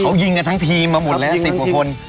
เขายิงกันทั้งทีมมาหมดแล้ว๑๐กว่าคน